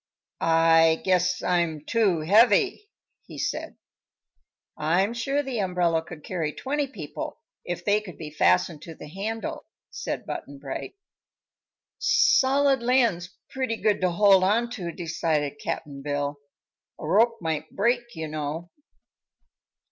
"I guess I'm too heavy," he said. "I'm sure the umbrella could carry twenty people, if they could be fastened to the handle," said Button Bright. "Solid land's pretty good to hold on to," decided Cap'n Bill. "A rope might break, you know."